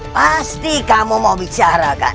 pasti kamu mau membicarakan